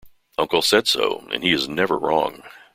Uncle said so, and he is never wrong.